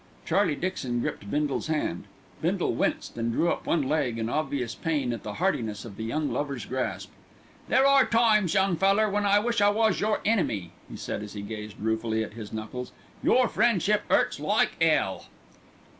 Charlie Dixon gripped Bindle's hand. Bindle winced and drew up one leg in obvious pain at the heartiness of the young lover's grasp. "There are times, young feller, when I wish I was your enemy," he said as he gazed ruefully at his knuckles. "Your friendship 'urts like 'ell."